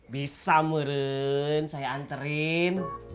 bisa meren saya anterin